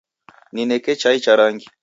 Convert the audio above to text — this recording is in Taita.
Nineke chai cha rangi